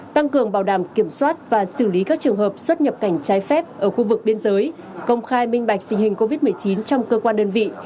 tăng cường bảo đảm kiểm soát và xử lý các trường hợp xuất nhập cảnh trái phép ở khu vực biên giới công khai minh bạch tình hình covid một mươi chín trong cơ quan đơn vị